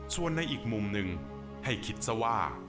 ส่วนในอีกมุมหนึ่งให้คิดซะว่า